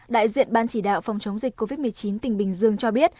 đại diện ban chỉ đạo phòng chống dịch covid một mươi chín tỉnh bình dương cho biết